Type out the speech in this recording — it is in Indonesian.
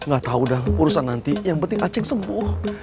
gak tahu dah urusan nanti yang penting acing sembuh